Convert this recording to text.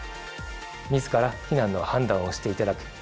自ら避難の判断をして頂く。